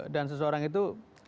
dan seseorang itu